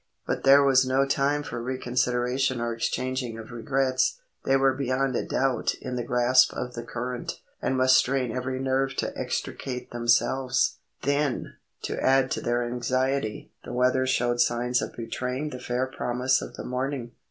But there was no time for reconsideration or exchanging of regrets. They were beyond a doubt in the grasp of the current, and must strain every nerve to extricate themselves. Then, to add to their anxiety, the weather showed signs of betraying the fair promise of the morning.